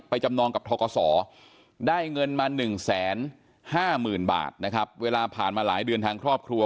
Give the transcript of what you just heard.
จำนองกับทกศได้เงินมา๑๕๐๐๐บาทนะครับเวลาผ่านมาหลายเดือนทางครอบครัว